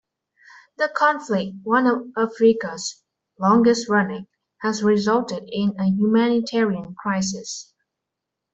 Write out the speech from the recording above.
The conflict, one of Africa's longest running, has resulted in a humanitarian crisis.